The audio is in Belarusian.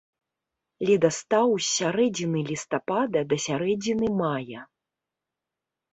Ледастаў з сярэдзіны лістапада да сярэдзіны мая.